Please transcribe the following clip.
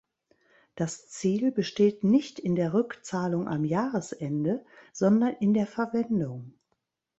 Das Ziel besteht nicht in der Rückzahlung am Jahresende, sondern in der Verwendung.